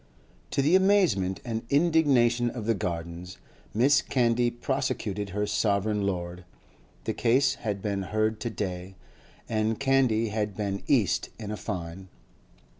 To the amazement and indignation of the Gardens, Mrs. Candy prosecuted her sovereign lord; the case had been heard to day, and Candy had been cast in a fine.